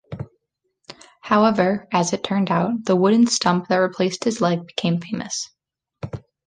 However, as it turned out, the wooden stump that replaced his leg became famous.